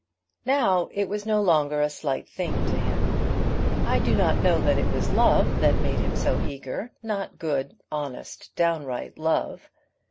Now it was no longer a slight thing to him. I do not know that it was love that made him so eager; not good, honest, downright love.